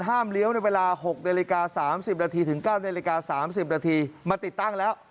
เลี้ยวในเวลา๖นาฬิกา๓๐นาทีถึง๙นาฬิกา๓๐นาทีมาติดตั้งแล้ว